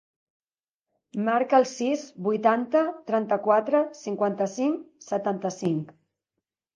Marca el sis, vuitanta, trenta-quatre, cinquanta-cinc, setanta-cinc.